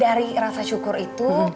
dari rasa syukur itu